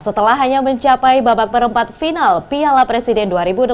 setelah hanya mencapai babak perempat final piala presiden dua ribu dua puluh